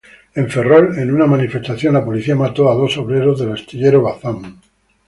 En Ferrol, en una manifestación, la policía mató a dos obreros del astillero Bazán.